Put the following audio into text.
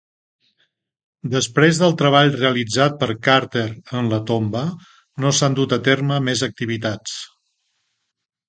Després del treball realitzat per Carter en la tomba, no s'han dut a terme més activitats.